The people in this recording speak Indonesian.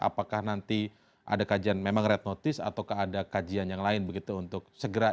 apakah nanti ada kajian memang red notice ataukah ada kajian yang lain begitu untuk segera